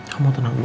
kamu tenang dulu